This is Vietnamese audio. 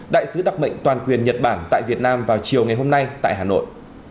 đại sứ đặc mệnh toàn quyền nhật bản tại việt nam vào chiều ngày hôm nay tại hà nội